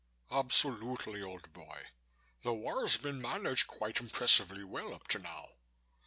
"Absolutely, old boy. The war's been managed quite impressively well up to now.